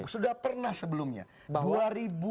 sudah pernah sebelumnya